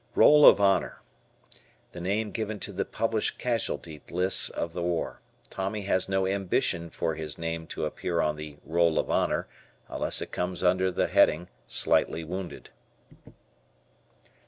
"Roll of Honor." The name given to the published casualty lists of the war. Tommy has no ambition for his name to appear on the "Roll of Honor" unless it comes under the heading "Slightly Wounded."